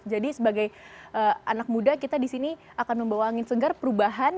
jadi sebagai anak muda kita di sini akan membawa angin segar perubahan